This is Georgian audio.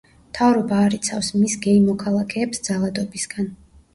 მთავრობა არ იცავს მის გეი მოქალაქეებს ძალადობისგან.